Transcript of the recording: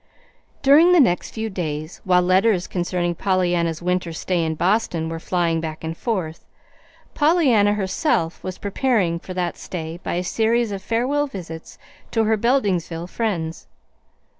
During the next few days, while letters concerning Pollyanna's winter stay in Boston were flying back and forth, Pollyanna herself was preparing for that stay by a series of farewell visits to her Beldingsville friends.